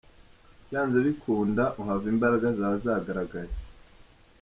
Byanga bikunda uhava imbaraga zawe zagaragaye.